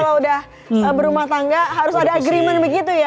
kalau udah berumah tangga harus ada agreement begitu ya